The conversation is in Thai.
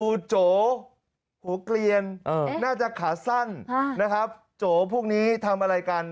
โจหัวเกลียนน่าจะขาสั้นนะครับโจพวกนี้ทำอะไรกัน